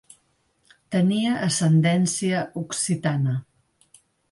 Tenia ascendència occitana.